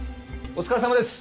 お疲れさまです！